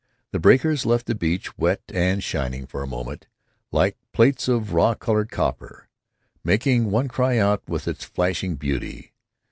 The breakers left the beach wet and shining for a moment, like plates of raw colored copper, making one cry out with its flashing beauty.